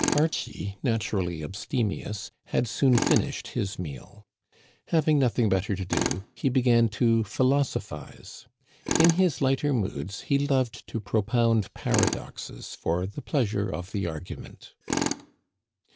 Archie, naturally abstemious, had soon finished his meal. Having nothing better to do, he began to philos ophize. In his lighter moods he loved to propound paradoxes for the pleasure of the argument.